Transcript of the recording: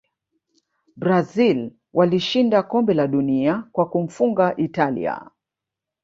brazil walishinda kombe la dunia kwa kumfunga italia